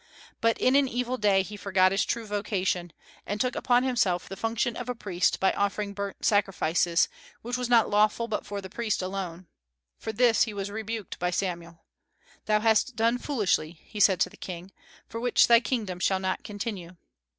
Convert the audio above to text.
But in an evil day he forgot his true vocation, and took upon himself the function of a priest by offering burnt sacrifices, which was not lawful but for the priest alone. For this he was rebuked by Samuel. "Thou hast done foolishly," he said to the King; "for which thy kingdom shall not continue.